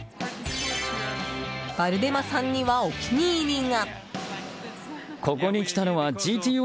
ヴァルデマさんにはお気に入りが。